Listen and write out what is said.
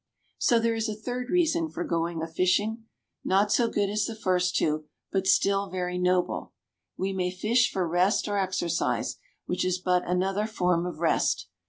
So there is a third reason for going a fishing not so good as the first two, but still very noble. We may fish for rest or exercise, which is but another form of rest.